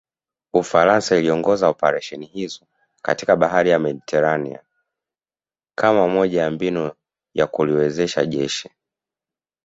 Ufaransa iliongoza operesheni hizo katika bahari Mediterania kama moja ya mbinu ya kuliwezesha jeshi